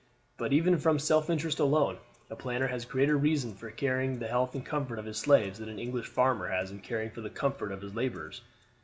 But even from self interest alone, a planter has greater reason for caring for the health and comfort of his slaves than an English farmer has in caring for the comfort of his laborers.